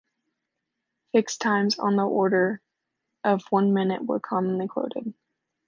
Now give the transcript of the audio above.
Fix times on the order of one minute were commonly quoted.